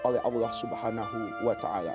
dihalalkan oleh allah swt